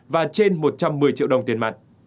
và trên một trăm một mươi triệu đồng tiền mặt